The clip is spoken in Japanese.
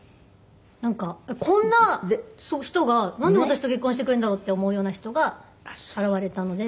なんかこんな人がなんで私と結婚してくれるんだろうって思うような人が現れたので。